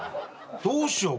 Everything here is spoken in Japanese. どうしよう？